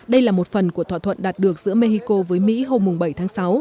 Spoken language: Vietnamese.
đây là một phần của thỏa thuận đạt được giữa mexico với mỹ hôm bảy tháng sáu